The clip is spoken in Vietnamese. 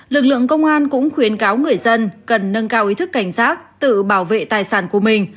lực lượng công an cũng khuyến cáo người dân cần nâng cao ý thức cảnh giác tự bảo vệ tài sản của mình